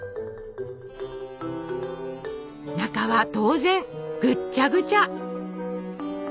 中は当然ぐっちゃぐちゃ！